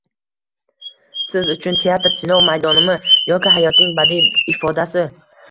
— Siz uchun teatr sinov maydonimi yoki hayotning badiiy ifodasi?